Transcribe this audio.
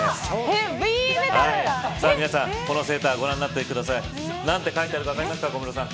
さあ皆さん、このセーターご覧になってください。なんて書いてあるか分かりますか小室さん。